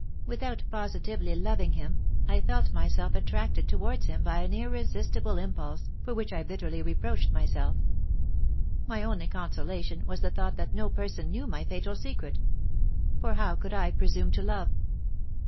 "Without positively loving him, I felt myself attracted towards him by an irresistible impulse, for which I bitterly reproached myself; my only consolation was the thought that no person knew my fatal secret. For how could I presume to love?